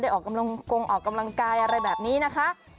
ออกกำลังกงออกกำลังกายอะไรแบบนี้นะคะ